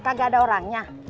pak gak ada orangnya